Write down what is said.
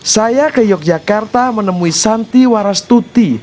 saya ke yogyakarta menemui santi warastuti